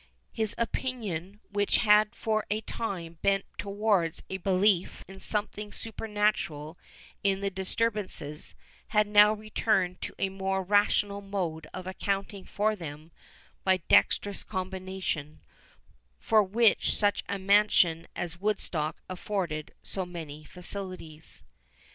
His opinion, which had for a time bent towards a belief in something supernatural in the disturbances, had now returned to the more rational mode of accounting for them by dexterous combination, for which such a mansion as Woodstock afforded so many facilities.